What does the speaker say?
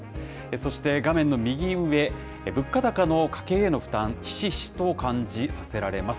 そして画面の右上、物価高の家計への負担、ひしひしと感じさせられます。